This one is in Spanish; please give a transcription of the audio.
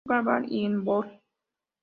Funchal" y en "Bol.